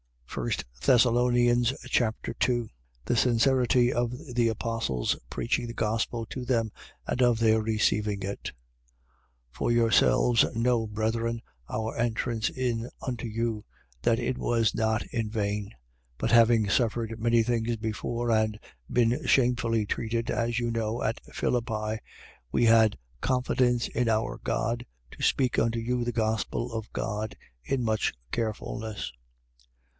1 Thessalonians Chapter 2 The sincerity of the apostle's preaching the gospel to them and of their receiving it. 2:1. For yourselves know, brethren, our entrance in unto you, that it was not in vain: 2:2. But having suffered many things before and been shamefully treated, (as you know) at Philippi, we had confidence in our God, to speak unto you the gospel of God in much carefulness.